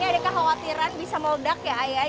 ketika menggoreng ini ada kekhawatiran bisa meledak ya ayah